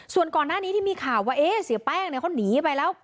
ส่วนก่อนหน้านี้ที่มีข่าวว่าเสียแป้งเขาหนีไปแล้ว